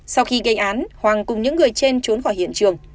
sau khi gây án hoàng cùng những người trên trốn khỏi hiện trường